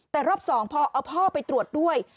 แต่รอบ๒พอเอาพ่อไปตรวจด้วย